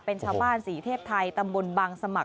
เป็นชาวบ้านศรีเทพไทยตำบลบางสมัคร